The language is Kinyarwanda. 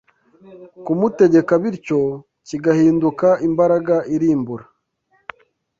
kumutegeka bityo kigahinduka imbaraga irimbura,